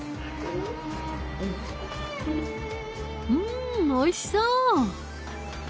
んおいしそう！